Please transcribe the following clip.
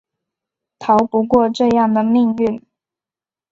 逃不过这样的命运